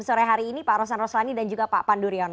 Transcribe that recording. sore hari ini pak rosan roslani dan juga pak pandu riono